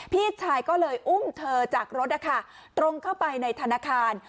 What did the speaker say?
พี่ชายก็เลยอุ้มเธอจากรถนะคะตรงเข้าไปในธนาคาร